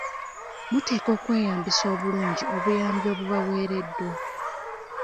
Muteekwa okweyambisa obulungi obuyambi obubaweereddwa.